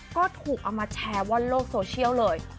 ก็ถูกเอามาแชร์ว่อนโลกโซเชียลเลย